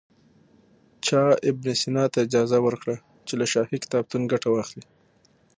چا ابن سینا ته اجازه ورکړه چې له شاهي کتابتون ګټه واخلي.